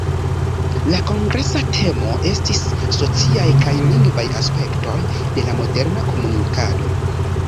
La kongresa temo estis "Sociaj kaj lingvaj aspektoj de la moderna komunikado".